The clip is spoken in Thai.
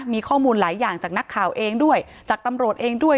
มีข้อมูลหลายอย่างจากนักข่าวเองด้วยจากตำรวจเองด้วย